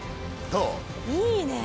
いいねえ。